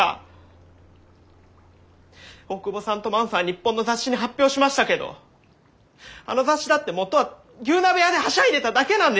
大窪さんと万さんは日本の雑誌に発表しましたけどあの雑誌だって元は牛鍋屋ではしゃいでただけなんですよ！